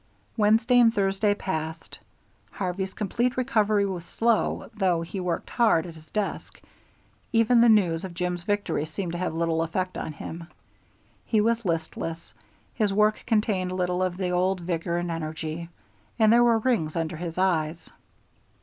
Wednesday and Thursday passed. Harvey's complete recovery was slow, though he worked hard at his desk; even the news of Jim's victory seemed to have little effect on him. He was listless, his work contained little of the old vigor and energy, and there were rings under his eyes.